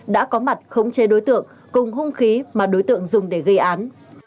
đã có mặt khống chế đối tượng cùng hung khí mà đối tượng dùng để gây án